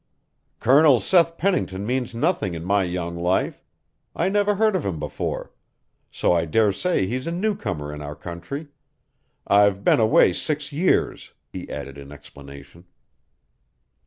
"Colonel Seth Pennington means nothing in my young life. I never heard of him before; so I dare say he's a newcomer in our country. I've been away six years," he added in explanation.